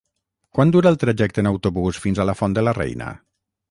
Quant dura el trajecte en autobús fins a la Font de la Reina?